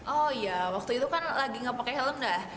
oh iya waktu itu kan lagi nggak pakai helm dah